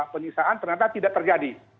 penyiksaan ternyata tidak terjadi